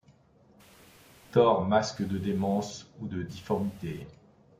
Thor, masques de démence ou de difformité